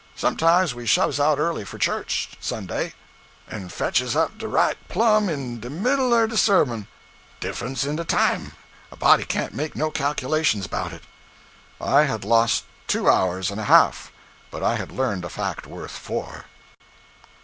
Sometimes we shoves out early for church, Sunday, en fetches up dah right plum in de middle er de sermon. Diffunce in de time. A body can't make no calculations 'bout it.' I had lost two hours and a half; but I had learned a fact worth four.